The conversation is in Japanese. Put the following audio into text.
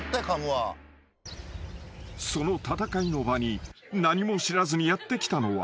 ［その戦いの場に何も知らずにやって来たのは］